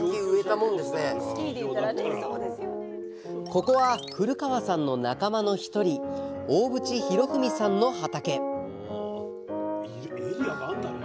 ここは古川さんの仲間の１人大渕浩文さんの畑。